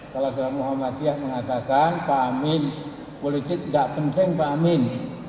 kalau dalam muhammadiyah mengatakan pak amin politik tidak penting pak amin